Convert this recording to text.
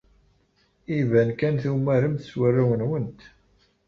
Iban kan tumaremt s warraw-nwent.